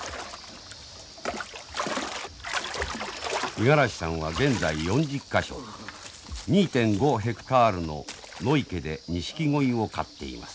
五十嵐さんは現在４０か所２．５ヘクタールの野池でニシキゴイを飼っています。